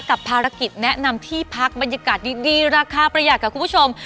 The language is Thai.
กับภารกิจแนะนำที่พักบรรยากาศดีราคาประหยัดค่ะคุณผู้ชม